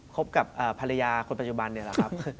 คบกับภรรยาคนปัจจุบันเนี่ยแหละครับ